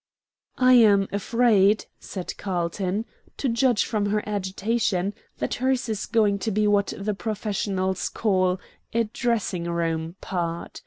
"I am afraid," said Carlton, "to judge from her agitation, that hers is going to be what the professionals call a 'dressing room' part.